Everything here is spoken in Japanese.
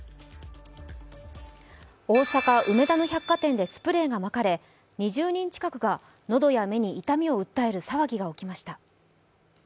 大阪・梅田の百貨店でスプレーがまかれ２０人近くが喉や目の目を訴える騒ぎとなりました。